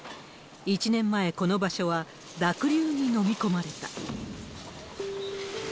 １年前、この場所は濁流に飲み込まれた。